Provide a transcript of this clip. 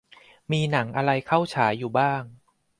มีหนังอะไรเข้าฉายอยู่บ้าง